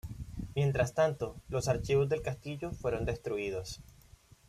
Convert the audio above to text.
Mientras tanto los archivos del castillo fueron destruidos.